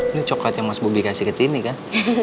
ini coklat yang mas bubi kasih ke tini kan